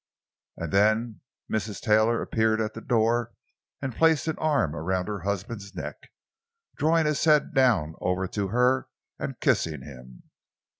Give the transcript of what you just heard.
And then Mrs. Taylor appeared at the door and placed an arm around her husband's neck, drawing his head over to her and kissing him.